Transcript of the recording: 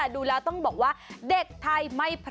ดูแล้วต้องบอกว่าเด็กไทยไม่แพ้